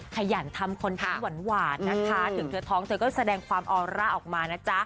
ขยันทำคอนเทนต์หวานนะคะถึงเธอท้องเธอก็แสดงความออร่าออกมานะจ๊ะ